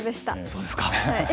そうですか。